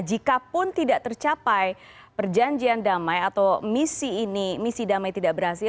jikapun tidak tercapai perjanjian damai atau misi ini misi damai tidak berhasil